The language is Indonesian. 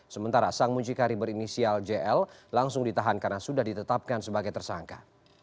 sementara sang muncikari berinisial jl langsung ditahan karena sudah ditetapkan sebagai tersangka